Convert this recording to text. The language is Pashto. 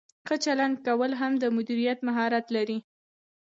ښه چلند کول هم د مدیر مهارت دی.